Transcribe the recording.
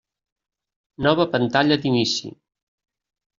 Nova pantalla d'inici.